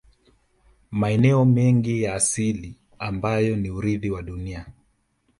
Maeneo mengi ya asili ambayo ni urithi wa dunia